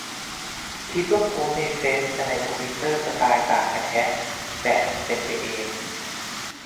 คิดว่าโพสต์ในเฟซกะในทวิตเตอร์สไตล์ต่างกันแฮะ แบบ "เป็นไปเอง"